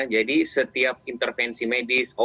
jadi setiap intervensi medis operasi